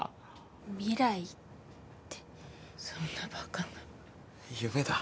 未来ってそんなバカな夢だ